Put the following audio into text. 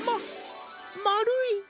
ままるい！